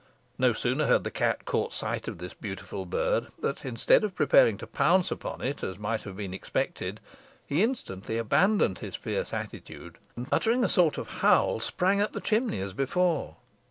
No sooner had the cat caught sight of this beautiful bird, than instead of preparing to pounce upon it, as might have been expected, he instantly abandoned his fierce attitude, and, uttering a sort of howl, sprang up the chimney as before.